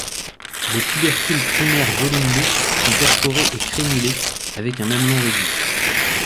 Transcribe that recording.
Les tubercules primaires, volumineux, sont perforés et crénulés, avec un mamelon réduit.